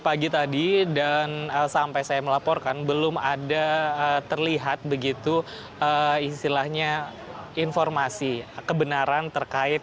pagi tadi dan sampai saya melaporkan belum ada terlihat begitu istilahnya informasi kebenaran terkait